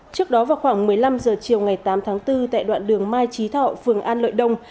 trước đó vào khoảng một mươi năm h chiều ngày tám tháng bốn tại đoạn đường mai trí thọ phường an lợi đông